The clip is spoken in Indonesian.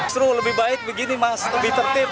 seru lebih baik begini mas lebih tertib